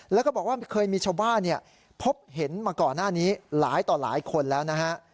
แล้วก็บอกว่าเคยมีชาวบ้านพบเห็นมาก่อนหน้านี้หลายต่อหลายคนแล้วนะฮะ